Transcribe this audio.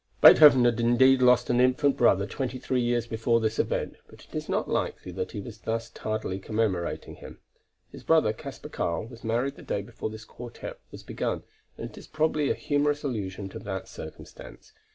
] Beethoven had indeed lost an infant brother twenty three years before this event, but it is not likely that he was thus tardily commemorating him. His brother Kaspar Karl was married the day before this quartet was begun and it is probably a humorous allusion to that circumstance.